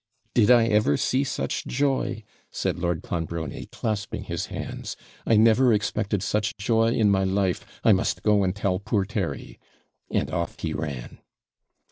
'Did I ever see such joy!' said Lord Clonbrony, clasping his hands; 'I never expected such joy in my life! I must go and tell poor Terry!' and off he ran.